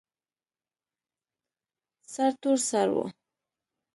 سرتور سر و.